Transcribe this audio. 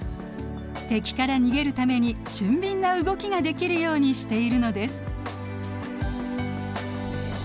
敵から逃げるために俊敏な動きができるようにしているのです。